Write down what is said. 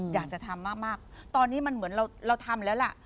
อยากจะทำมากตอนนี้มันเหมือนเราทำแล้วล่ะ